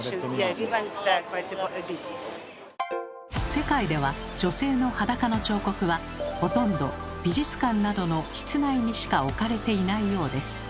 世界では女性の裸の彫刻はほとんど美術館などの室内にしか置かれていないようです。